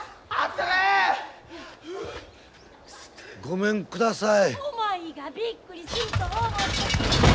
・ごめんください。